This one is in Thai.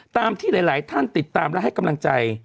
ตามที่หลายท่านติดตามและให้กำลังใจ